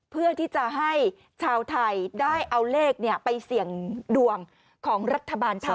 เพื่อที่จะให้ชาวไทยได้เอาเลขไปเสี่ยงดวงของรัฐบาลไทย